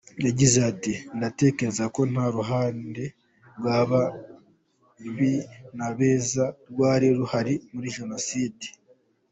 Yagize ati “Ndatekereza ko nta ruhande rw’ababi n’abeza rwari ruhari muri Jenoside.